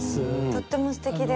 とってもすてきです。